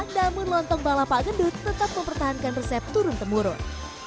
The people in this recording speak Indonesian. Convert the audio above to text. namun lontong balap pak gendut tetap mempertahankan resep turun temurun